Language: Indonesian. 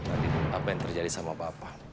apa yang terjadi sama papa